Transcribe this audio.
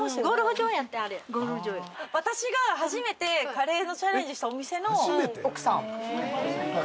私が初めてカレーのチャレンジしたお店の奥さん。